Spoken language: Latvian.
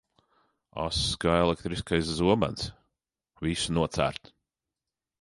Ass kā elektriskais zobens, visu nocērt.